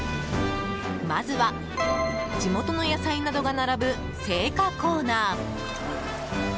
まずは地元の野菜などが並ぶ青果コーナー。